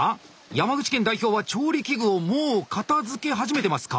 山口県代表は調理器具をもう片づけ始めてますか？